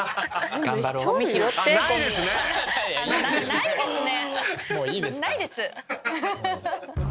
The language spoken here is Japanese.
ないですね。